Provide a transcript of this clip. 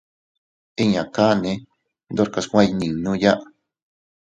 Inñakane ndorkas iynweiyninuya.